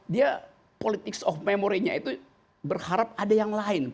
dia politics of memory nya itu berharap ada yang lain